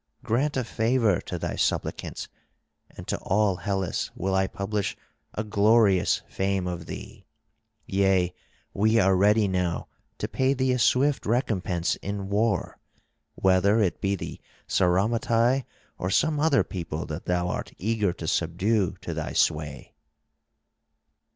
Grant a favour to thy suppliants, and to all Hellas will I publish a glorious fame of thee; yea, we are ready now to pay thee a swift recompense in war, whether it be the Sauromatae or some other people that thou art eager to subdue to thy sway."